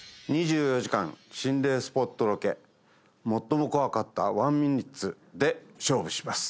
「２４時間心霊スポットロケ最も怖かった１ミニッツ」で勝負します